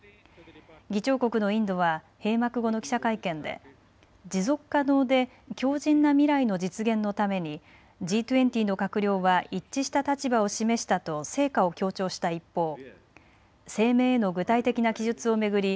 議長国のインドは閉幕後の記者会見で持続可能で強じんな未来の実現のためにＧ２０の閣僚は一致した立場を示したと成果を強調した一方、声明への具体的な記述を巡り